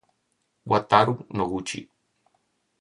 Wataru Noguchi